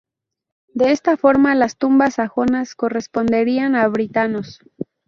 De esta forma, las tumbas sajonas corresponderían a britanos.